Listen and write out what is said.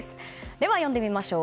では、呼んでみましょう。